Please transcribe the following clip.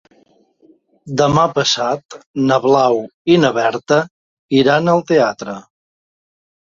Demà passat na Blau i na Berta iran al teatre.